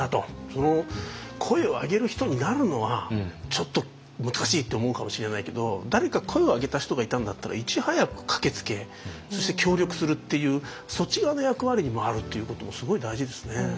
その声を上げる人になるのはちょっと難しいと思うかもしれないけど誰か声を上げた人がいたんだったらいち早く駆けつけそして協力するっていうそっち側の役割に回るっていうこともすごい大事ですね。